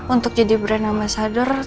untuk jadi brand nama sadur